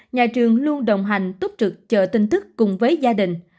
nhà trường luôn đồng hành tốt trực chờ tin tức cùng với gia đình